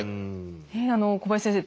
小林先生